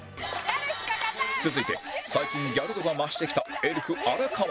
続いて最近ギャル度が増してきたエルフ荒川